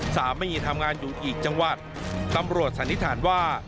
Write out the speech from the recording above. สามีทำงานอยู่อีกจังหวัดตำรวจสันนิษฐานว่า